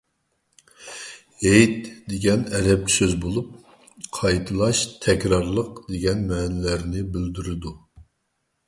«ھېيت» دېگەن ئەرەبچە سۆز بولۇپ، «قايتىلاش، تەكرارلىق» دېگەن مەنىلەرنى بىلدۈرىدۇ.